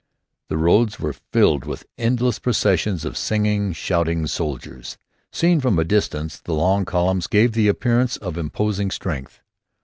The roads were filled with endless processions of singing, shouting soldiers. Seen from a distance the long columns gave the appearance of imposing strength.